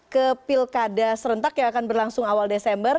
ke pilkada serentak yang akan berlangsung awal desember